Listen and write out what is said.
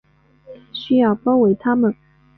需要包围他们